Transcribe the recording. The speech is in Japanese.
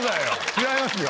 違いますよ。